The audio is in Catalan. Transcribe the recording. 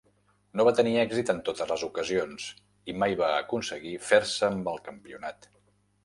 No va tenir èxit en totes les ocasions i mai va aconseguir fer-se amb el campionat.